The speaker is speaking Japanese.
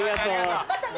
またね！